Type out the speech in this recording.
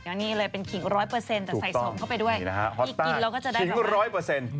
อันนี้เลยเป็นขิงร้อยเปอร์เซ็นแต่ใส่สมเข้าไปด้วยที่กินแล้วก็จะได้ขิงร้อยเปอร์เซ็นต์